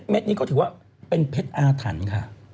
นี้ก็ถือว่าเป็นเพชรอาถรรพ์ค่ะ